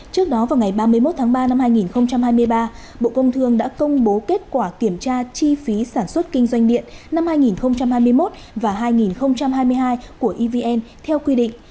trước đó vào ngày ba mươi một tháng ba năm hai nghìn hai mươi ba bộ công thương đã công bố kết quả kiểm tra chi phí sản xuất kinh doanh điện năm hai nghìn hai mươi một và hai nghìn hai mươi hai của evn theo quy định